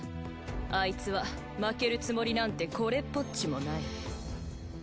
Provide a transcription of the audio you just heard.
あいつは負けるつもりなんてこれっぽっちもない。